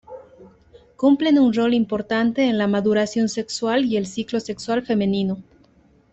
Cumplen un rol importante en la maduración sexual y el ciclo sexual femenino.